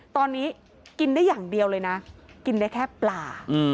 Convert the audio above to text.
ตอนนี้กินได้อย่างเดียวเลยนะกินได้แค่ปลา